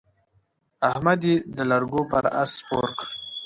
احمد يې د لرګو پر اس سپور کړ.